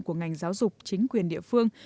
của ngành giáo dục chính quyền địa phương